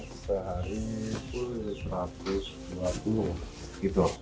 sehari itu rp satu ratus lima puluh